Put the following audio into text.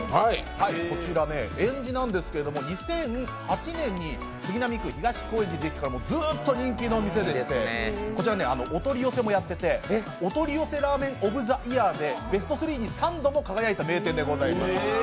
こちらえん寺なんですけれども、２００８年に杉並区東高円寺で出来てからずっとやっていまして、こちらお取り寄せもやってて、お取り寄せラーメン・オブ・ザ・イヤーでベスト３に３度も輝いた名店でございます。